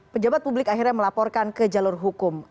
pejabat publik akhirnya melaporkan ke jalur hukum